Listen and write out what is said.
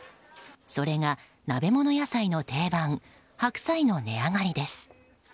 それが、鍋物野菜の定番白菜の値上がりです。